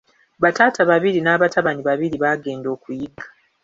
Bataata babiri n’abatabani babiri baagenda okuyigga.